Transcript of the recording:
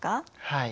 はい。